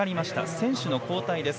選手の交代です。